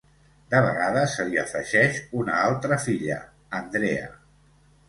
De vegades se li afegeix una altra filla, Andrea.